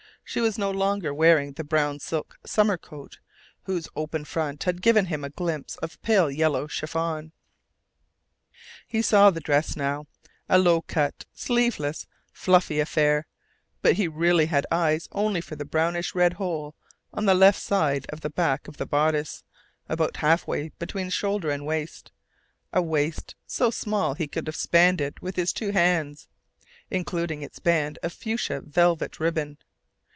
She was no longer wearing the brown silk summer coat whose open front had given him a glimpse of pale yellow chiffon. He saw the dress now, a low cut, sleeveless, fluffy affair, but he really had eyes only for the brownish red hole on the left side of the back of the bodice, about halfway between shoulder and waist a waist so small he could have spanned it with his two hands, including its band of fuchsia velvet ribbon.